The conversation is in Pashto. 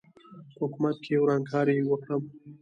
په حکومت کې ورانکاري وکړم.